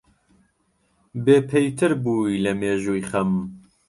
بێپەیتر بووی لە مێژووی خەم